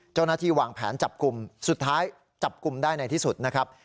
เจ้าหน้าที่วางแผนจับกลุ่มสุดท้ายจับกลุ่มได้ในที่สุดนะครับ